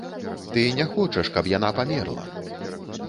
Ты не хочаш, каб яна памерла!